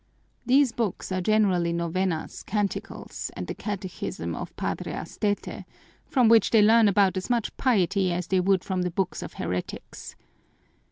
These books are generally novenas, canticles, and the Catechism of Padre Astete, from which they learn about as much piety as they would from the books of heretics.